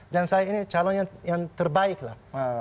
dan saya ini calon yang terbaik lah